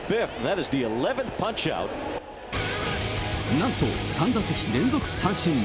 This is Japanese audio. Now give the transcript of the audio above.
なんと、３打席連続三振。